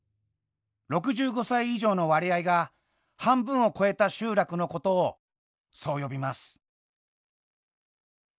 ６５歳以上の割合が半分を超えた集落のことをそう呼びます。